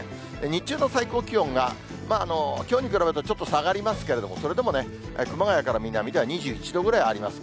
日中の最高気温が、きょうに比べるとちょっと下がりますけれども、それでもね、熊谷から南では２１度ぐらいあります。